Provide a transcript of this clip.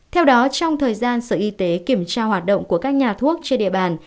theo đó trong thời gian sở y tế kiểm tra hoạt động của các nhà thuốc trên địa bàn